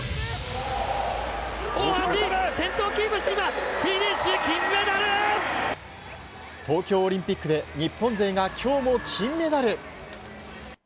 先頭をキープして今、フィニ東京オリンピックで日本勢がきょうも金メダル。